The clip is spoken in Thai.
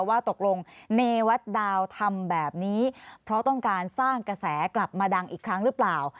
ว่าตกลงเนวัดดาวทำแบบนี้เพราะต้องการสร้างกระแสกลับมาดังอีกครั้งหรือเปล่า